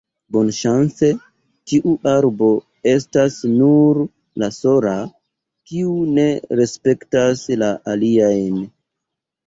Bonŝance, tiu arbo estas nur la sola kiu ne respektas la aliajn.